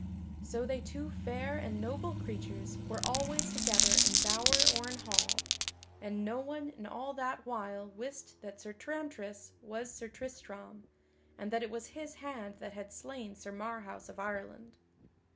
So they two fair and noble creatures were always together in bower or in hall, and no one in all that while wist that Sir Tramtris was Sir Tristram, and that it was his hand that had slain Sir Marhaus of Ireland.